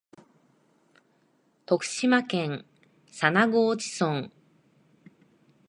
徳島県佐那河内村